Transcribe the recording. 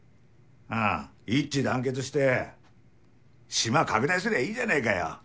ああ一致団結してシマ拡大すりゃあいいじゃねぇかよ。